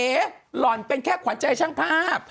หล่อนเป็นแค่ขวัญใจช่างภาพ